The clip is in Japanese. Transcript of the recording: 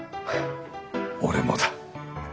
俺もだ。